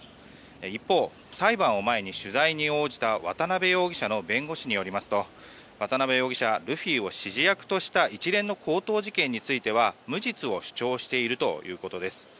一方、裁判を前に取材に応じた渡邉容疑者の弁護士によりますと渡邉容疑者はルフィを指示役とした一連の強盗事件については無実を主張しているということです。